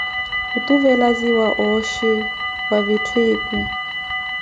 Khutuvelaziya ooxhi mwa vitthu ipi.